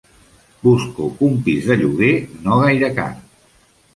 Busco un pis de lloguer no gaire car.